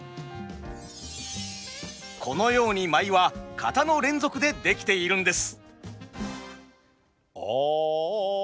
このように舞は型の連続で出来ているんです。